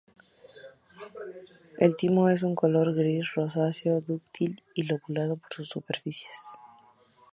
El timo es de un color gris rosáceo, dúctil, y lobulado por sus superficies.